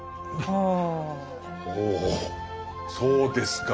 ほうそうですか。